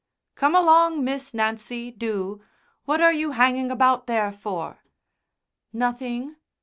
"Come along, Miss Nancy, do. What are you hanging about there for?" "Nothing."